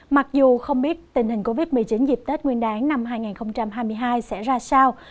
mặc dù không biết tình hình covid một mươi chín dịp tết nguyên đáng năm hai nghìn hai mươi hai sẽ ra sao